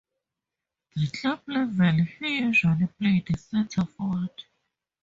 At club level he usually played center-forward.